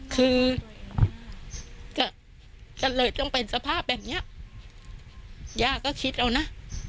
คือก็เลยต้องเป็นสภาพแบบเนี้ยย่าก็คิดเอานะ